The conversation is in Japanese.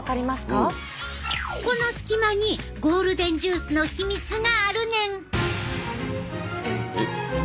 この隙間にゴールデンジュースの秘密があるねん！